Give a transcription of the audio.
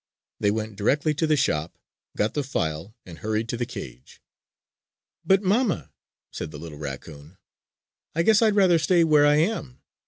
They went directly to the shop, got the file, and hurried to the cage. "But mamma," said the little raccoon, "I guess I'd rather stay where I am.